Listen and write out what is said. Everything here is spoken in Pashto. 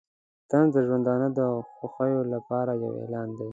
طنز د ژوندانه د خوښیو لپاره یو اعلان دی.